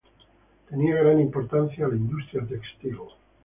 Tenía gran importancia la industria textil.